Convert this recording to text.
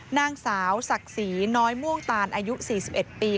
นางสาวศักดิ์ศรีน้อยม่วงตานอายุ๔๑ปี